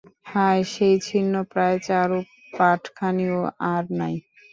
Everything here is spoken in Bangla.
হায়, সেই ছিন্নপ্রায় চারুপাঠখানিও আর নাই।